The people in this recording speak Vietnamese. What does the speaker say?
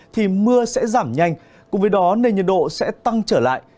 thì mưa sẽ giảm nhanh cùng với đó nền nhiệt độ sẽ tăng trở lại